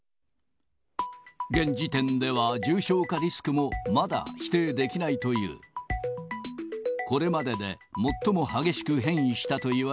現時点では重症化リスクもまだ否定できないという。